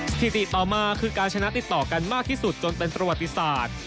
สถิติต่อมาคือการชนะติดต่อกันมากที่สุดจนเป็นประวัติศาสตร์